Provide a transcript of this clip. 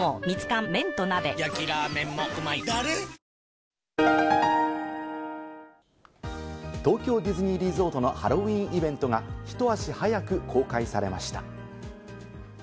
ニトリ東京ディズニーリゾートのハロウィーンイベントがひと足早く公開されました。